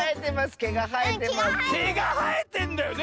けがはえてんのよね。